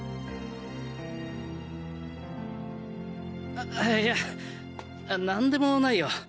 あいや何でもないよ。